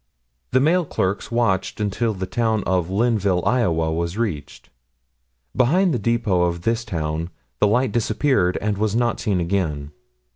The mail clerks watched until the town of Linville, Iowa, was reached. Behind the depot of this town, the light disappeared, and was not seen again.